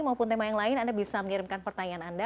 maupun tema yang lain anda bisa mengirimkan pertanyaan anda